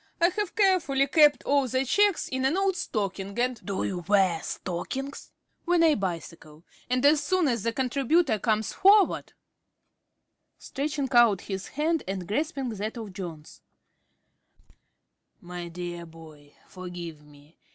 I have carefully kept all the cheques in an old stocking, and ~Smith~ (in surprise). Do you wear stockings? ~Jones~ When I bicycle. And as soon as the contributor comes forward ~Smith~ (stretching out his hand and grasping that of Jones). My dear boy, forgive me.